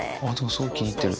すごい気に入ってる。